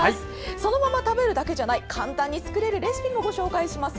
そのまま食べるだけじゃない簡単に作れるレシピもご紹介します。